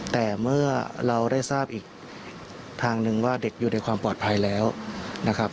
แต่เมื่อเราได้ทราบอีกทางหนึ่งว่าเด็กอยู่ในความปลอดภัยแล้วนะครับ